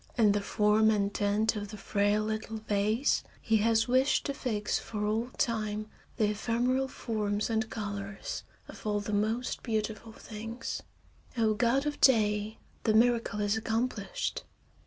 In the form and tint of the frail little vase he has wished to fix for all time the ephemeral forms and colors of all the most beautiful things. Oh, god of day! The miracle is accomplished.